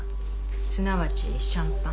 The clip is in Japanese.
すなわちシャンパン。